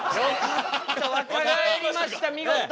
若返りました見事。